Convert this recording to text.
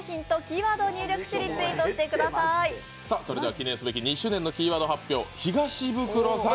記念すべき２周年のキーワード発表、東ブクロさん